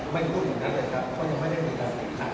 ไม่พูดแบบนั้นเลยครับเค้ายังไม่ได้ไปทำอีกครั้ง